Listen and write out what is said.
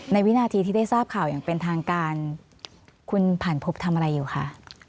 วินาทีที่ได้ทราบข่าวอย่างเป็นทางการคุณผ่านพบทำอะไรอยู่คะ